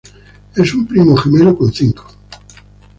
Es un primo gemelo con cinco.